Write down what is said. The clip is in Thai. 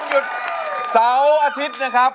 หยุดเสาร์อาทิตย์นะครับ